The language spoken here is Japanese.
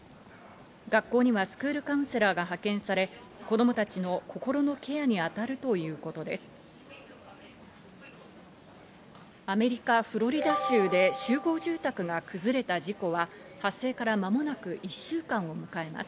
学校にはスクールカウンセラーが派遣され、子供たちの心のケアに当たるということです。